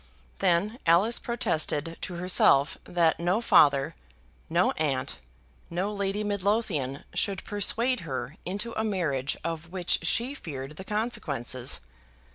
Then Alice protested to herself that no father, no aunt, no Lady Midlothian should persuade her into a marriage of which she feared the consequences.